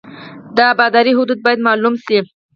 د ابدارۍ حدود باید معلوم شي